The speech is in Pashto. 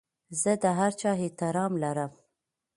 زه د هر چا احترام لرم.